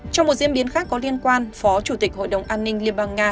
trong một diễn biến khác có liên quan phó chủ tịch hội đồng an ninh liên bang nga